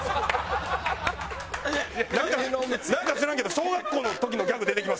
なんか知らんけど小学校の時のギャグ出てきました。